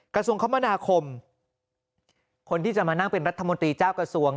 กระทรวงคมนาคมคนที่จะมานั่งเป็นรัฐมนตรีเจ้ากระทรวง